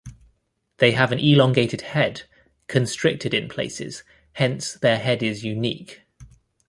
They have an elongated head, constricted in places, hence their head is 'unique'.